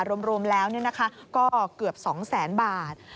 รวมแล้วก็เกือบ๒๐๐๐๐๐บาท